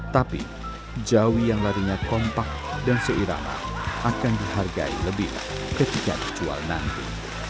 tapi jawi yang larinya kompak dan seirama akan dihargai lebih ketika dijual nanti